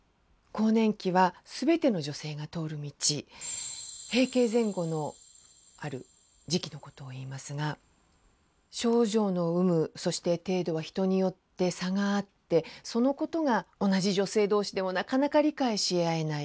更年期は全ての女性が通る道閉経前後のある時期のことをいいますが症状の有無そして程度は人によって差があってそのことが同じ女性同士でもなかなか理解し合えない。